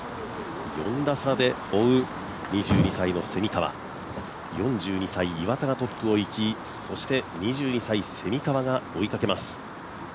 ４打差で追う２２歳の蝉川４２歳、岩田がトップをいきそして２２歳、蝉川が追いかけます。